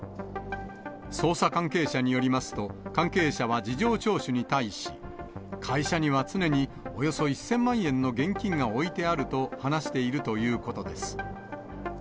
捜査関係者によりますと、関係者は事情聴取に対し、会社には常におよそ１０００万円の現金が置いてあると話しているということです。